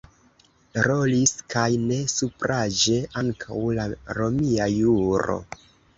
Rolis, kaj ne supraĵe, ankaŭ la romia juro.